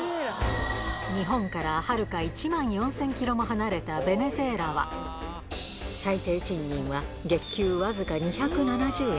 日本からはるか１万４０００キロも離れたベネズエラは、最低賃金は月給僅か２７０円。